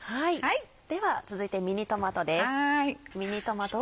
では続いてミニトマトです。